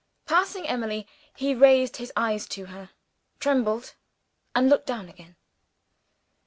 Passing Emily he raised his eyes to her trembled and looked down again.